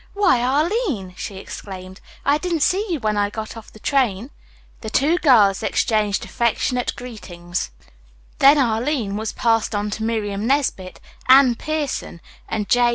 "Why, Arline!" she exclaimed. "I didn't see you when I got off the train." The two girls exchanged affectionate greetings; then Arline was passed on to Miriam Nesbit, Anne Pierson and J.